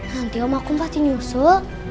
nanti om akum pasti nyusul